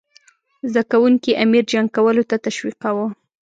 زده کوونکي امیر جنګ کولو ته تشویقاووه.